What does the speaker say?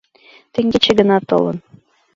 Теҥгече гына толын.